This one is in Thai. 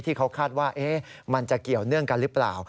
ที่เขาคาดว่ามันจะเกี่ยวเนื่องกันหรือเปล่า